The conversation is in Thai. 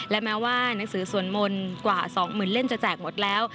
และแม้ว่าหนังสือสวดมนต์กว่า๒๐๐๐เล่มจะแจกหมดแล้ว